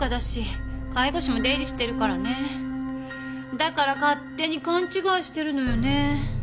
だから勝手に勘違いしてるのよね。